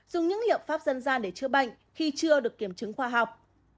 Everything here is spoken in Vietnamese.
dùng những liệu pháp dân gian để chữa bệnh khi chưa được kiểm chứng khoa học